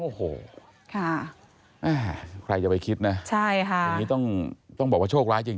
โอ้โฮค่ะใครจะไปคิดนะอย่างนี้ต้องบอกว่าโชคล้ายจริง